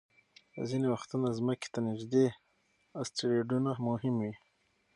ځینې وختونه ځمکې ته نږدې اسټروېډونه مهم وي.